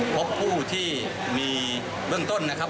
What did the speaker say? พบผู้ที่มีเบื้องต้นนะครับ